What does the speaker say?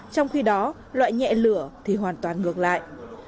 trong khi đó loại nhẹ lửa thì hoàn toàn ngược lại